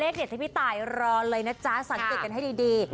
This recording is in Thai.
ใครรอเลขพี่ใตรรอเลยนะจ๊ะสังเกตกันให้ดี